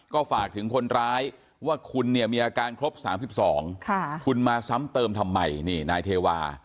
ก็ฝากถึงคนร้ายว่าคุณเนี่ยมีอาการครบ๓๒คุณมาซ้ำเติมทำไมนี่นายเทวา